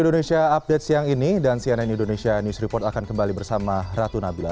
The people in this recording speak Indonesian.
indonesia update siang ini dan cnn indonesia news report akan kembali bersama ratu nabila